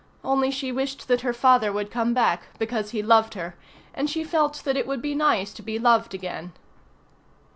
Only she wished that her father would come back, because he loved her, and she felt that it would be nice to be loved again.